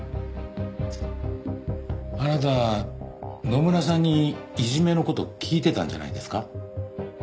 あなた野村さんにいじめの事聞いてたんじゃないですか？